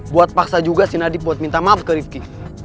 buat paksa juga si nadiem buat minta maaf ke rifki